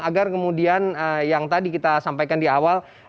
agar kemudian yang tadi kita sampaikan di awal